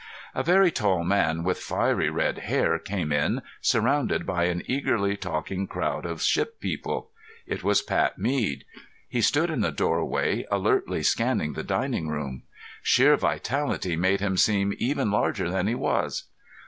A very tall man with fiery red hair came in surrounded by an eagerly talking crowd of ship people. It was Pat Mead. He stood in the doorway, alertly scanning the dining room. Sheer vitality made him seem even larger than he was.